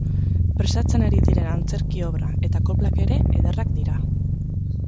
Prestatzen ari diren antzerki obra eta koplak ere ederrak dira.